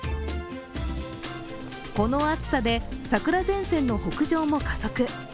この暑さで桜前線の北上も加速。